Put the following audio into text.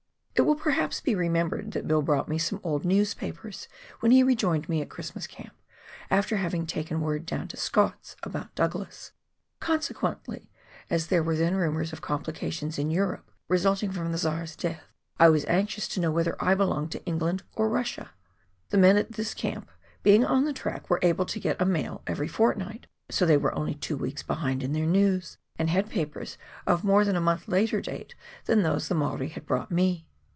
223 It will perhaps be remembered that Bill brought me some old newspapers, when he rejoined me at Christmas Camp, after having taken word down to Scott's about Douglas. Conse quently, as there were then rumours of complications in Europe resulting from the Czar's death, I was anxious to know whether I belonged to Russia or England. The men at this camp, being on the track, were able to get a mail eyery fortnight, so they were only two weeks behindhand in their news, and had papers of more than a month later date than those the Maori had brought me.